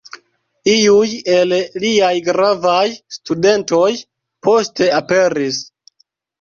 Iuj el liaj gravaj studentoj poste aperis.